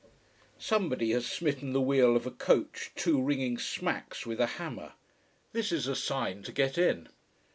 Somebody has smitten the wheel of a coach two ringing smacks with a hammer. This is a sign to get in.